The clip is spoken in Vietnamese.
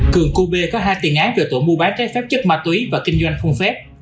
cường cô bê có hai tiền án về tổ mưu bán trái phép chất ma túy và kinh doanh phun phép